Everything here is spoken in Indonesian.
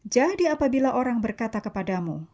jadi apabila orang berkata kepadamu